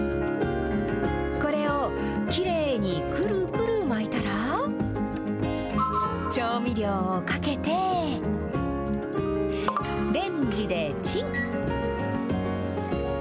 これをきれいにくるくる巻いたら、調味料をかけて、レンジでチン。